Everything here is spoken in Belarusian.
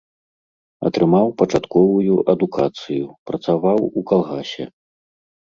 Атрымаў пачатковую адукацыю, працаваў у калгасе.